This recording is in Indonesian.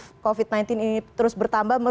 angka positif covid sembilan belas ini terus bertambah